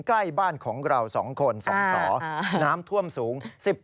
ใก้บ้านของเราสองคนสองสอ